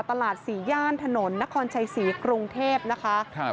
สี่ย่านถนนนครชัยศรีกรุงเทพนะคะ